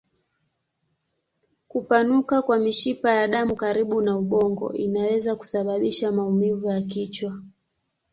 Kupanuka kwa mishipa ya damu karibu na ubongo inaweza kusababisha maumivu ya kichwa.